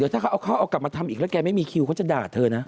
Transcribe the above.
พี่ไหน่อยุ่วเขากลับมาทำแล้วแล้วแกไม่มีคิ้วเขาจะด่าเธอน่ะ